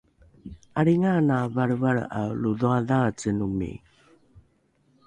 ’alringaana valrevalre’ae lo dhoadhaacenomi